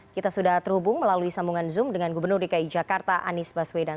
kita sudah terhubung melalui sambungan zoom dengan gubernur dki jakarta anies baswedan